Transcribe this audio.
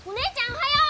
おはよう！